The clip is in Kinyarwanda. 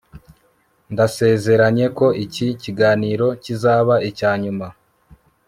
ndasezeranye ko iki kiganiro kizaba icya nyuma